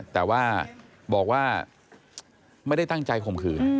แต่ว่าบอกว่าไม่ได้ตั้งใจข่มขืน